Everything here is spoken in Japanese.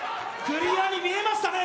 クリアに見えましたね